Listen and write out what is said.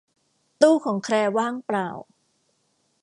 ตู้ของแคลร์ว่างเปล่า